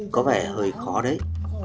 có vẻ hơi khó đấy